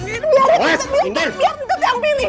biar untut yang pilih